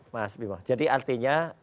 mas bimo jadi artinya